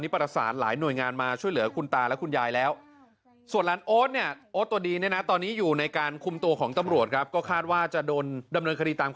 ฟังคุณยายสาขสารด้วยครับ